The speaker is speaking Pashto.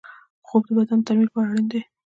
خوب د بدن د ترمیم لپاره اړین دی